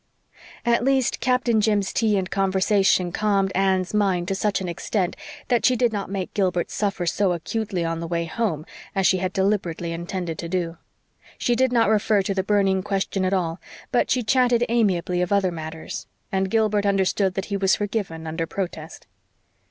At least, Captain Jim's tea and conversation calmed Anne's mind to such an extent that she did not make Gilbert suffer so acutely on the way home as she had deliberately intended to do. She did not refer to the burning question at all, but she chatted amiably of other matters, and Gilbert understood that he was forgiven under protest.